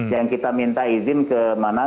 yang kita minta izin ke mana